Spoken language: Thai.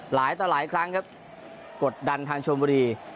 หลายต่อหลายครั้งครับกดดันทางชมบุรี